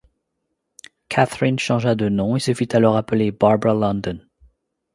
Katherine changea de nom et se fit alors appeler Barbara London.